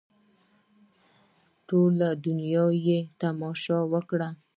ټوله دنیا به یې تماشه وکړي.